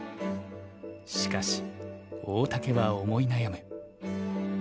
しかし大竹は思い悩む。